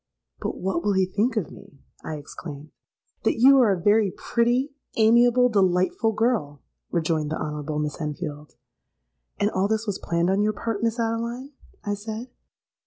'—'But what will he think of me?' I exclaimed.—'That you are a very pretty, amiable, delightful girl,' rejoined the Honourable Miss Enfield.—'And all this was planned on your part, Miss Adeline?' I said.